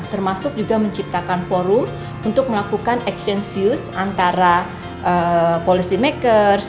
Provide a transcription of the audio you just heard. termasuk juga menciptakan forum untuk melakukan action views antara policy makers